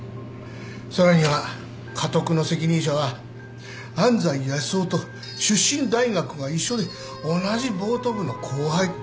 さらにはカトクの責任者は安斎康雄と出身大学が一緒で同じボート部の後輩。